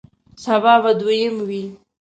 سبا به دویم وی